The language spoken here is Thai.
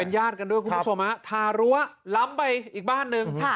ญาติกันด้วยคุณผู้ชมฮะทารั้วล้ำไปอีกบ้านหนึ่ง